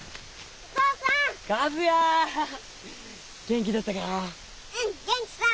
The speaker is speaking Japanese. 元気だったか？